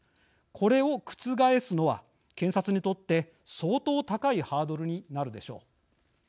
これを覆すのは、検察にとって相当高いハードルになるでしょう。